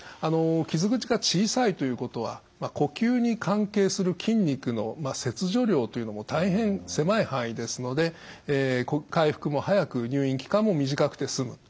傷口が小さいということは呼吸に関係する筋肉の切除量というのも大変狭い範囲ですので回復も早く入院期間も短くて済む。